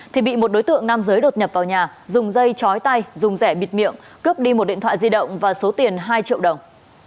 thì bị một đối tượng nam giới đột nhập vào nhà dùng dây chói tay dùng rẻ bịt miệng cướp đi một điện thoại di động và số tiền hai triệu đồng